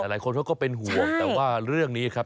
หลายคนเขาก็เป็นห่วงแต่ว่าเรื่องนี้ครับ